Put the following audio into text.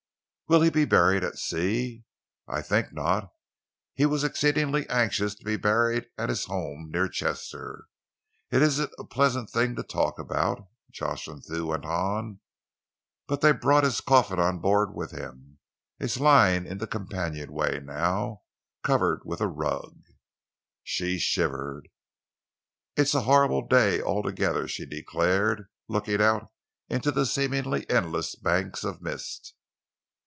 "Will he be buried at sea?" "I think not. He was exceedingly anxious to be buried at his home near Chester. It isn't a pleasant thing to talk about," Jocelyn went on, "but they brought his coffin on board with him. It's lying in the companionway now, covered over with a rug." She shivered. "It's a horrible day altogether," she declared, looking out into the seemingly endless banks of mist.